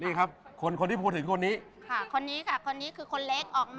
นี่ครับคนคนที่พูดถึงคนนี้ค่ะคนนี้ค่ะคนนี้คือคนเล็กออกมา